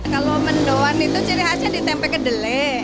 kalau mendoan itu ciri khasnya di tempe kedele